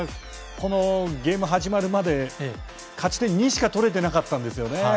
このゲーム始まるまで勝ち点２しか取れてなかったんですよね。